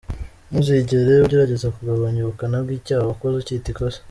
Ntuzigera ugerageza kugabanya ubukana bw’icyaha wakoze ucyita ‘ikosa’.